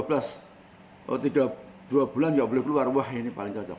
kalau tidak dua bulan nggak boleh keluar wah ini paling cocok